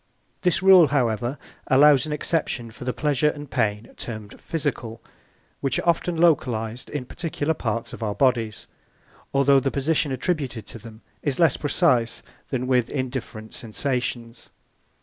This rule, however, allows an exception for the pleasure and the pain termed physical, which are often localised in particular parts of our bodies, although the position attributed to them is less precise than with indifferent sensations.